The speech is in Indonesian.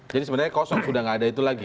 jadi sebenarnya kosong sudah enggak ada itu lagi